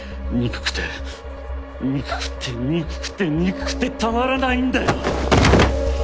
憎くて憎くて憎くて憎くてたまらないんだよ！